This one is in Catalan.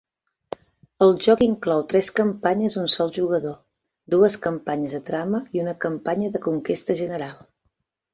El joc inclou tres campanyes d'un sol jugador, dues campanyes de trama i una campanya de conquesta general.